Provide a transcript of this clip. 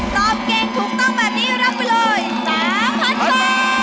ตอบเก่งถูกต้องแบบนี้รับไปเลย๓๐๐๐บาท